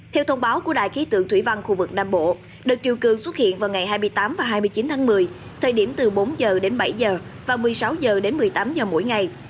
theo thông báo của đài khí tượng thủy văn khu vực nam bộ đợt chiều cường xuất hiện vào ngày hai mươi tám và hai mươi chín tháng một mươi thời điểm từ bốn h đến bảy h và một mươi sáu h đến một mươi tám h mỗi ngày